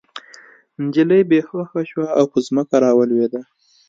نجلۍ بې هوښه شوه او په ځمکه راولوېده